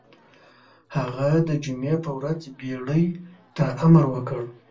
هغه د جمعې په ورځ بېړۍ ته امر وکړ.